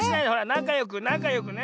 なかよくなかよくね。